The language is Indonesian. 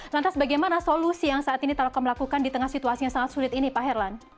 lantas bagaimana solusi yang saat ini telkom lakukan di tengah situasi yang sangat sulit ini pak herlan